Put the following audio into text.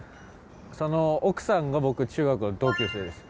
その奥さんが僕中学の同級生です。